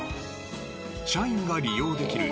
社員が利用できる手こぎ